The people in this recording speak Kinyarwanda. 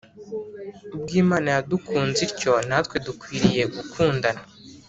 ubwo Imana yadukunze ityo, natwe dukwiriye gukundana.